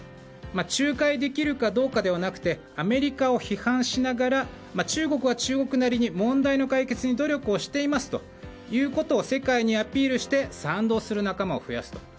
仲介できるかどうかではなくてアメリカを批判しながら中国は中国なりに問題の解決に努力していますということを世界にアピールして賛同する仲間を増やすと。